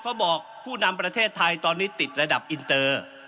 บอกผู้นำประเทศไทยตอนนี้ติดระดับอินเตอร์